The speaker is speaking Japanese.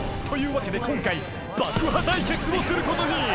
［というわけで今回爆破対決をすることに］